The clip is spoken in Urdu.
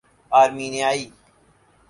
آرمینیائی